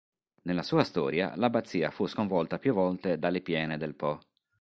Nella sua storia, l'abbazia fu sconvolta più volte dalle piene del Po.